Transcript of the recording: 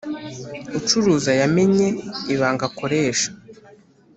Ucuruza yamenye ibanga akoresha